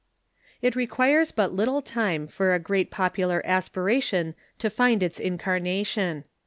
It requires but little time for a great popular aspiration to find its incarnation.